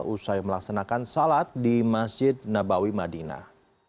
usai melaksanakan salat di masjid nabawi madinah